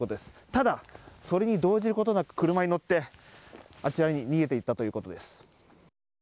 ただ、それに動じることなく車に乗って、あちらに逃げていったということです。